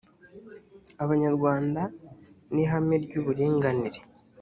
abanyarwanda n ihame ry uburinganire